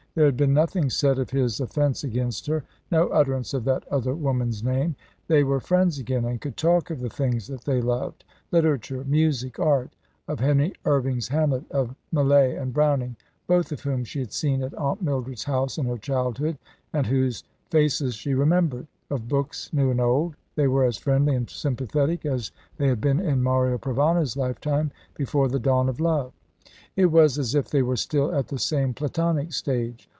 There had been nothing said of his offence against her; no utterance of that other woman's name. They were friends again, and could talk of the things that they loved literature, music, art; of Henry Irving's Hamlet; of Millais and Browning, both of whom she had seen at Aunt Mildred's house in her childhood, and whose faces she remembered; of books new and old. They were as friendly and sympathetic as they had been in Mario Provana's lifetime, before the dawn of love. It was as if they were still at the same platonic stage.